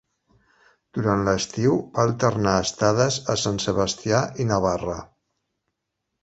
Durant l'estiu va alternar estades a Sant Sebastià i Navarra.